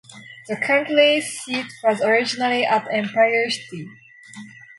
The county seat was originally at Empire City.